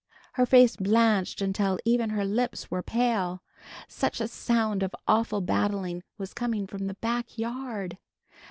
Her face blanched until even her lips were pale. Such a sound of awful battle was coming from the back yard!